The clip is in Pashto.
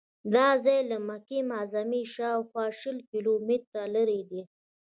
دا ځای له مکې معظمې شاوخوا شل کیلومتره لرې دی.